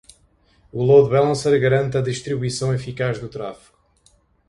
O Load Balancer garante a distribuição eficaz do tráfego.